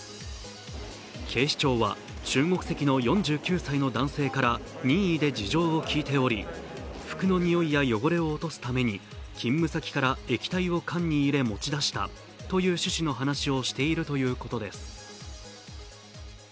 警視庁は中国籍の４９歳の男性から任意で事情を聴いており、服のにおいや汚れを落とすために勤務先から液体を缶に入れて持ち出したという趣旨の話をしているということです。